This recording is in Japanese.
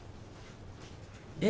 えっ？